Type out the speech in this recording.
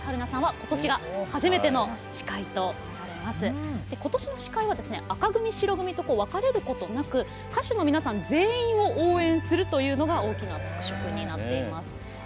今年の司会は紅組、白組と分かれることなく歌手の皆さん全員を応援するのが大きな特色になっています。